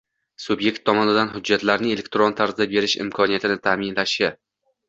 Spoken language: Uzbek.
subyekt tomonidan hujjatlarni elektron tarzda berish imkoniyatini ta’minlashi;